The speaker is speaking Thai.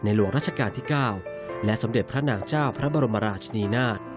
หลวงราชการที่๙และสมเด็จพระนางเจ้าพระบรมราชนีนาฏ